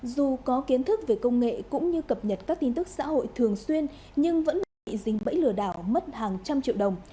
dù có kiến thức về công nghệ cũng như cập nhật các tin tức xã hội thường xuyên nhưng vẫn bị dình bẫy lừa đảo mất hàng trăm triệu đồng